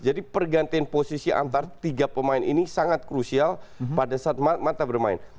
jadi pergantian posisi antara tiga pemain ini sangat krusial pada saat mata bermain